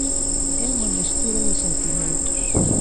É unha mestura de sentimentos.